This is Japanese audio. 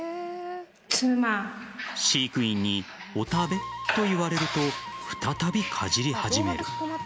飼育員にお食べと言われると再び、かじり始める。